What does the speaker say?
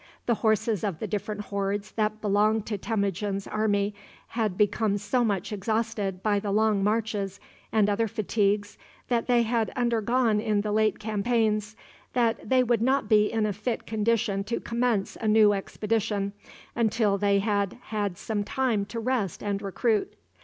The horses of the different hordes that belonged to Temujin's army had become so much exhausted by the long marches and other fatigues that they had undergone in the late campaigns, that they would not be in a fit condition to commence a new expedition until they had had some time to rest and recruit.